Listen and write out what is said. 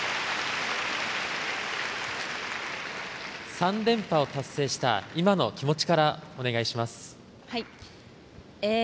３連覇を達成した今の気持ちから、お願いします。